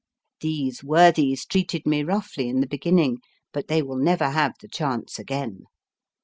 These worthies treated me roughly in the beginning, but they will never have the chance again.